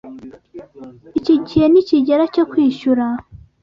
Iki gihe nikigera cyo kwishyura.